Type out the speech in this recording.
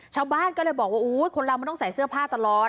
ชาวบ้านก็เลยบอกว่าคนเรามันต้องใส่เสื้อผ้าตลอด